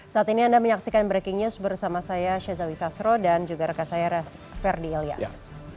saat ini anda menyaksikan breaking news bersama saya syazawi sasro dan juga rekan saya ferdi ilyas